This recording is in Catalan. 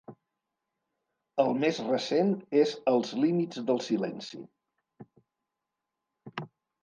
El més recent és Els límits del silenci.